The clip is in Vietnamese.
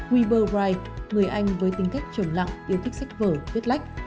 weber white người anh với tính cách trầm lặng yêu thích xách vở viết lách